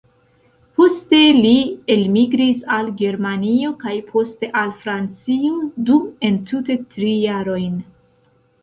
Poste li elmigris al Germanio kaj poste al Francio, dum entute tri jarojn.